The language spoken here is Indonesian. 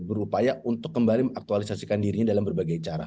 berupaya untuk kembali mengaktualisasikan dirinya dalam berbagai cara